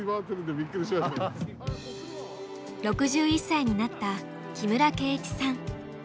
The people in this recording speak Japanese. ６１歳になった木村圭一さん。